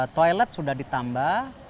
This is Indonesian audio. toilet sudah ditambah